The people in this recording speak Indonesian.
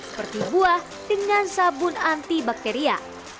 seperti buah dengan sabun anti bakteria